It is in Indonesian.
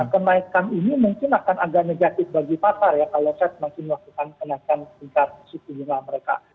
kenaikan ini mungkin akan agak negatif bagi pasar ya kalau fed masih melakukan kenaikan sekitar setubung amerika